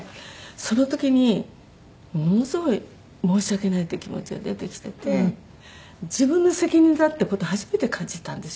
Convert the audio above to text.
その時にものすごい申し訳ないっていう気持ちが出てきてて自分の責任だって事を初めて感じたんですよ。